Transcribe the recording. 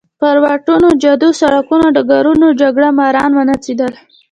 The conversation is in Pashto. پر واټونو، جادو، سړکونو او ډګرونو جګړه ماران ونڅېدل.